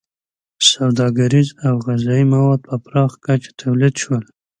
• سوداګریز او غذایي مواد په پراخه کچه تولید شول.